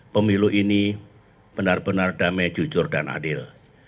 pemilu ini benar benar damai jujur dan adil